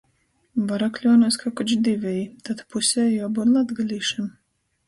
Varakļuonūs, ka koč diveji - tod pusei juobyun latgalīšim ??